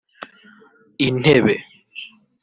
intebe